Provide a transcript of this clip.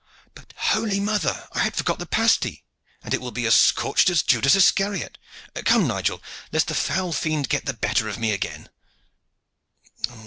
But, holy Mother! I had forgot the pasty, and it will be as scorched as Judas Iscariot! Come, Nigel, lest the foul fiend get the better of me again."